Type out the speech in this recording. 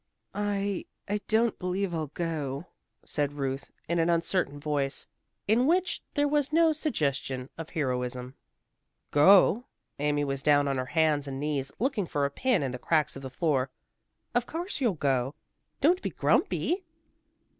"I I don't believe I'll go," said Ruth in an uncertain voice, in which there was no suggestion of heroism. "Go?" Amy was down on her hands and knees, looking for a pin in the cracks of the floor. "Of course you'll go. Don't be grumpy."